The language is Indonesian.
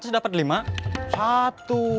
lima ratus dapat lima